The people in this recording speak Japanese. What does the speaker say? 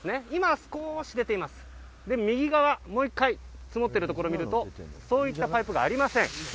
そして右側、もう１回積もっているところを見るとそういったパイプがありません。